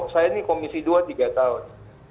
saya ini komisi dua tiga tahun